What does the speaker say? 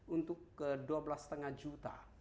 untuk ke dua belas lima juta